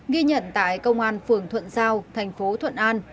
ghi nhận tại công an phường thuận giao thành phố thuận an